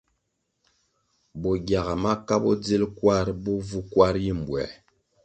Bo gyaga maka bo bodzil kwarʼ bo vu kwar yi mbwē.